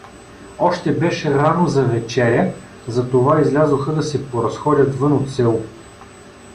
Още беше рано за вечеря, затова излязоха да се поразходят вън от село.